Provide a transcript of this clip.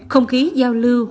không khí giao lưu